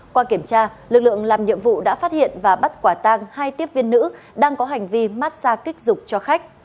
qua kiểm tra lực lượng làm nhiệm vụ đã phát hiện và bắt quả tang hai tiếp viên nữ đang có hành vi massage kích dục cho khách